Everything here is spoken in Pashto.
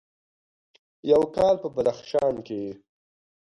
یو کال په بدخشان کې: